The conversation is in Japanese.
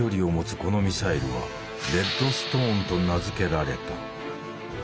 このミサイルは「レッドストーン」と名付けられた。